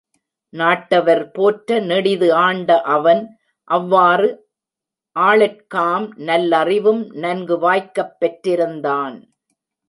நாட்டவர் போற்ற நெடிது ஆண்ட அவன், அவ்வாறு, ஆளற்காம் நல்லறிவும் நன்கு வாய்க்கப் பெற்றிருந்தான்.